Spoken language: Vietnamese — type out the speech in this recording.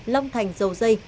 long thành dầu dây